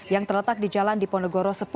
yang terletak di jalan diponegoro sepuluh